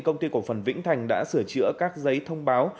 công ty cổ phần vĩnh thành đã sửa chữa các giấy thông báo